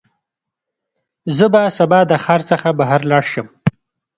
زه به سبا د ښار څخه بهر لاړ شم.